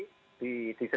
itu yang penting disitu